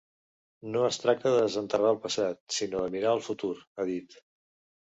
No es tracta de desenterrar el passat, sinó de mirar al futur, ha dit.